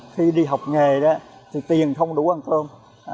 khi đi học nghề đó thì tiền không đủ ăn cơm